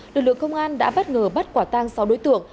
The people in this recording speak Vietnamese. lực lượng công an đã bất ngờ bắt quả tang sáu đối tượng